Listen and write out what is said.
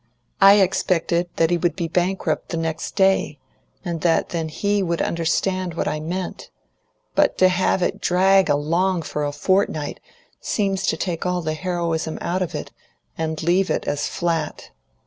I expected that he would be bankrupt the next day, and that then HE would understand what I meant. But to have it drag along for a fortnight seems to take all the heroism out of it, and leave it as flat!"